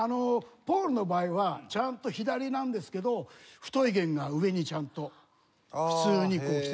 ポールの場合はちゃんと左なんですけど太い弦が上にちゃんと普通に来ているんです。